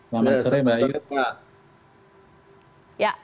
selamat sore mbak ayu